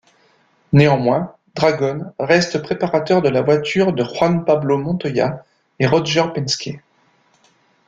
Néanmoins, Dragon reste préparateur de la voiture de Juan Pablo Montoya de Roger Penske.